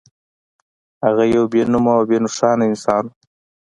هغه يو بې نومه او بې نښانه انسان و.